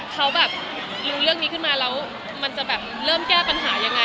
เขาแบบลึงเรื่องนี้ขึ้นมาแล้วมันจะแบบเริ่มแก้ปัญหายังไง